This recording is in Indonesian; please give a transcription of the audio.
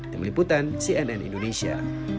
dari meliputan cnn indonesia